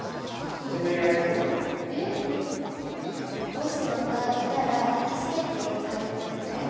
もしまたいたら助けてあげたいんですけど。